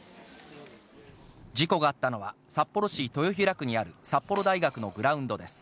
事故があったのは、札幌市豊平区にある札幌大学のグラウンドです。